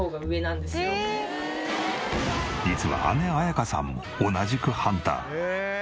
実は姉綾香さんも同じくハンター。